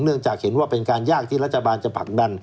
จากเห็นว่าเป็นการยากที่รัฐบาลจะผลักดัน